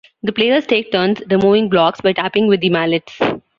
The players take turns removing blocks by tapping with the mallets.